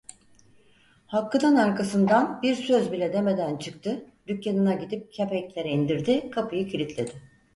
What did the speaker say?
Hakkı'nın arkasından, bir söz bile demeden çıktı, dükkanına gidip kepenkleri indirdi, kapıyı kilitledi.